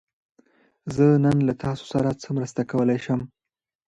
زه نن له تاسو سره څه مرسته کولی شم؟